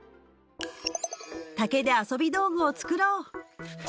竹で遊び道具を作ろう！